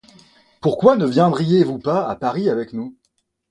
Pourquoi ne viendriez-vous pas à Paris avec nous ?